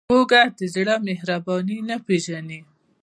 کوږ زړه مهرباني نه پېژني